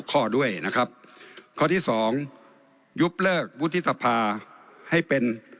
ข้อด้วยนะครับข้อที่สองยุบเลิกวุฒิสภาให้เป็น